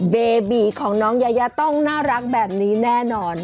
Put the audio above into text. เบบีของน้องยายาต้องน่ารักแบบนี้แน่นอน